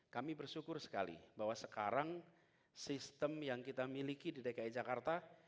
kami bersyukur sekali bahwa sekarang sistem yang kita miliki di dki jakarta